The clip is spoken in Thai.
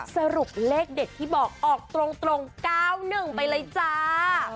สรุปเลขเด็ดที่บอกออกตรง๙๑ไปเลยจ้า